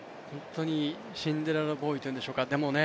シンデレラボーイというんでしょうか。